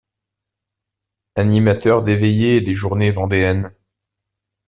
Animateur des veillées et des journées vendéennes.